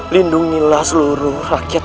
lindungilah seluruh rakyat